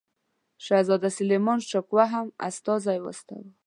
شهزاده سلیمان شکوه هم استازی واستاوه.